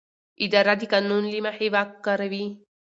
اداره د قانون له مخې واک کاروي.